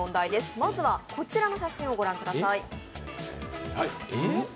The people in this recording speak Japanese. まずは、こちらの写真をご覧ください。